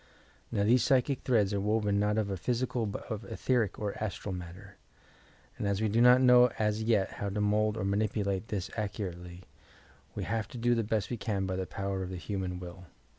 Now, these psychic threads are woven not of physical but of etherie or astral matter, and as we do not know as yet how to mould or manipulate this accurately, we have to do the best we can by the power of the human will.